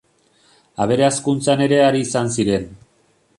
Abere hazkuntzan ere ari izan ziren.